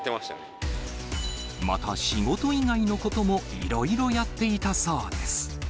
また仕事以外のこともいろいろやっていたそうです。